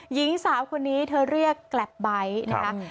หญิงสาวคนนี้เธอเรียกกลับไบท์